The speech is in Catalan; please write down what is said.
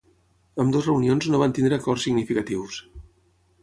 Ambdues reunions no van tenir acords significatius.